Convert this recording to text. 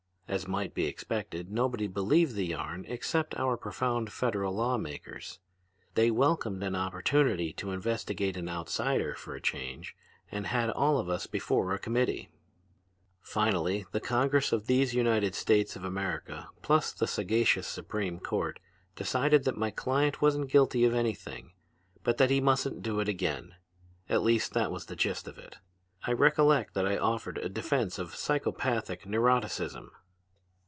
As might be expected, nobody believed the yarn except our profound federal law makers. They welcomed an opportunity to investigate an outsider for a change and had all of us before a committee. "Finally the Congress of these United States of America, plus the sagacious Supreme Court, decided that my client wasn't guilty of anything, but that he mustn't do it again. At least that was the gist of it. I recollect that I offered a defense of psycopathic neuroticism.